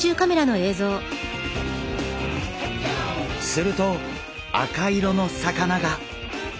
すると赤色の魚が！